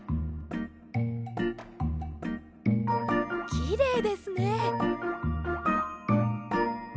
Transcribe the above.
きれいですね。